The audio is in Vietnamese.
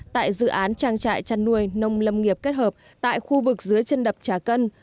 tại dự án trang trại chăn nuôi nông lâm nghiệp kết hợp tại khu vực dưới chân đập trà cân